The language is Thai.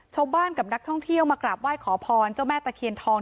ชาวบ้านกับนักท่องเที่ยวมากราบไหว้ขอพรเจ้าแม่ตะเคียนทอง